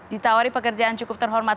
ditawari pekerjaan cukup terhormat